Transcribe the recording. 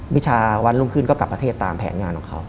วิชาวันรุ่งขึ้นก็กลับประเทศตามแผนงานของเขา